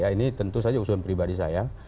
ini tentu saja usulan pribadi saya